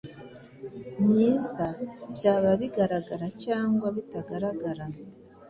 myiza - byaba bigaragara cyangwa bitagaragara),